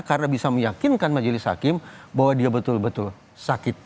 karena bisa meyakinkan majelis hakim bahwa dia betul betul sakit